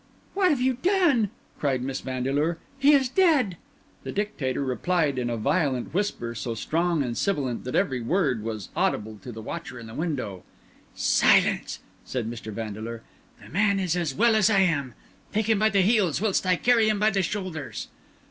"What have you done?" cried Miss Vandeleur. "He is dead!" The Dictator replied in a violent whisper, so strong and sibilant that every word was audible to the watcher at the window. "Silence!" said Mr. Vandeleur; "the man is as well as I am. Take him by the heels whilst I carry him by the shoulders."